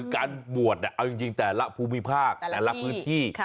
การบวชเอาจริงแต่ละภูมิภาคแต่ละพื้นที่